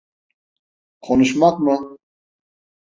Konuşmak mı?